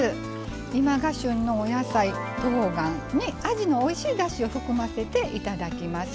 今が旬のお野菜、とうがんにあじのおいしいだしを含ませていただきます。